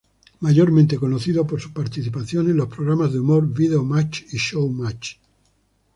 Mayormente conocido por sus participaciones en los programas de humor "Videomatch" y "Showmatch".